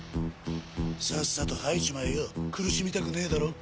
さっさと吐いちまえよ苦しみたくねえだろ？